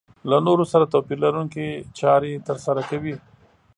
له نورو سره توپير لرونکې چارې ترسره کوي.